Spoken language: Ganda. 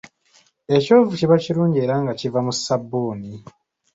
Ekyovu kiba kirungi era nga kiva mu ssabbuuni.